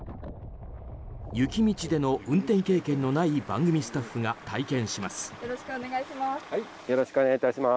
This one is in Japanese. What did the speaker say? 雪道での運転経験のない番組スタッフが体験します。